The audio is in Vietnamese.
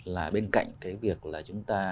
là bên cạnh cái việc là chúng ta